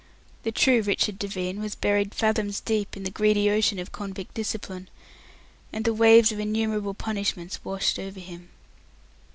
The true Richard Devine was buried fathoms deep in the greedy ocean of convict discipline, and the waves of innumerable punishments washed over him.